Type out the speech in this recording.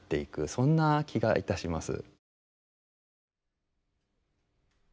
そんな気がいたします。